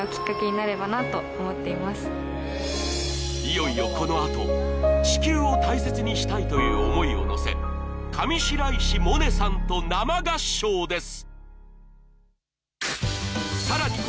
いよいよこのあと、地球を大切にしたいという思いをのせ上白石萌音さんと生合唱です。